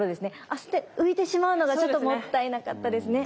焦って浮いてしまうのがちょっともったいなかったですね。